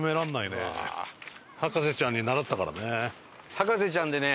『博士ちゃん』でね